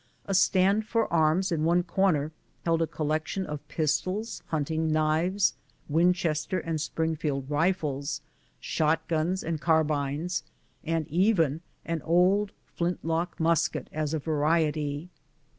A stand for arms in one corner held a collection of pistols, hunt ing knives, Winchester and Springfield rifles, shot guns and carbines, and even an old flint lock musket as a variety.